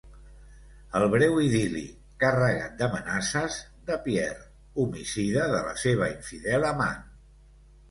El breu idil·li, carregat d'amenaces, de Pierre, homicida de la seva infidel amant.